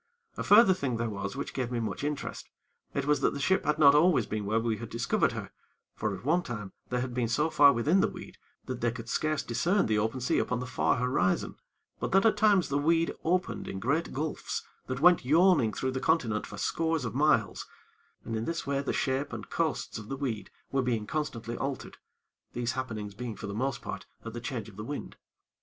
A further thing there was which gave me much interest; it was that the ship had not been always where we had discovered her; for at one time they had been so far within the weed, that they could scarce discern the open sea upon the far horizon; but that at times the weed opened in great gulfs that went yawning through the continent for scores of miles, and in this way the shape and coasts of the weed were being constantly altered; these happenings being for the most part at the change of the wind.